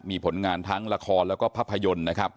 มีผลงานทั้งละครแล้วก็ภาพยนตร์นะครับ